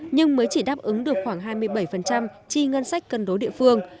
nhưng mới chỉ đáp ứng được khoảng hai mươi bảy chi ngân sách cân đối địa phương